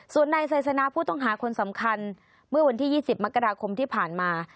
ส่วนนายไซสนาผู้ต้องหาคนสำคัญเมื่อวันที่๒๐มกราคมที่ผ่านมา